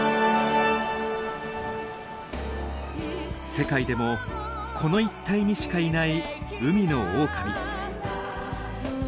世界でもこの一帯にしかいない海のオオカミ。